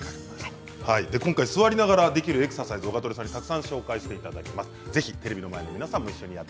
今回、座りながらできるエクササイズをたくさんご紹介いただきます。